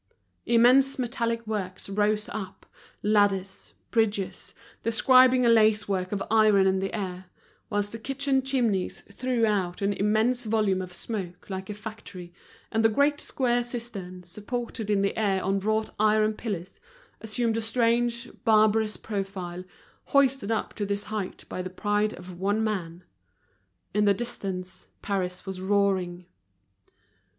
Immense metallic works rose up, ladders, bridges, describing a lacework of iron in the air; whilst the kitchen chimneys threw out an immense volume of smoke like a factory, and the great square cistern, supported in the air on wrought iron pillars, assumed a strange, barbarous profile, hoisted up to this height by the pride of one man. In the distance, Paris was roaring.